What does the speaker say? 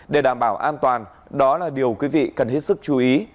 để đảm bảo an toàn đó là điều quý vị cần hết sức chú ý